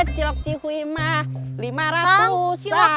cilok cihui mah